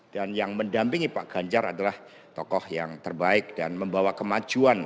dan yang mendampingi pak ganjar adalah tokoh yang terbaik dan membawa kemajuan